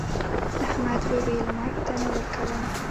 احمد وويل: مرگ ته نه ورکوم.